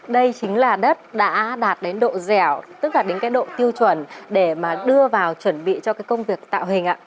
đây chính là đất đã đạt đến độ dẻo tức là đến cái độ tiêu chuẩn để mà đưa vào chuẩn bị cho cái công việc tạo hình ạ